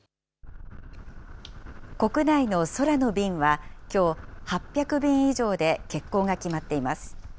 国内の空の便は、きょう、８００便以上で欠航が決まっています。